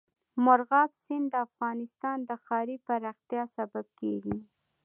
مورغاب سیند د افغانستان د ښاري پراختیا سبب کېږي.